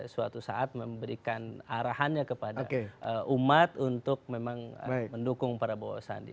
suatu saat memberikan arahannya kepada umat untuk memang mendukung prabowo sandi